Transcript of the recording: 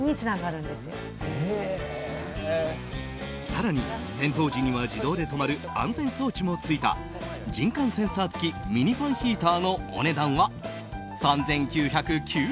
更に、転倒時には自動で止まる安全装置もついた人感センサー付きミニファンヒーターのお値段は３９９０円！